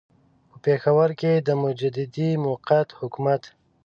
په پېښور کې د مجددي موقت حکومت.